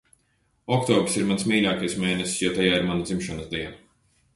Oktobris ir mans mīļākais mēnesis, jo tajā ir mana dzimšanas diena.